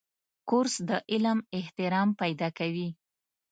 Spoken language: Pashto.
کورس د علم احترام پیدا کوي.